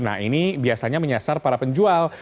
nah ini biasanya menyasar para penjual